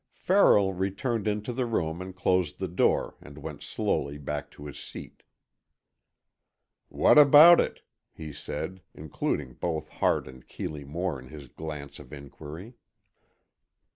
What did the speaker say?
Farrell returned into the room and closed the door, and went slowly back to his seat. "What about it?" he said, including both Hart and Keeley Moore in his glance of inquiry.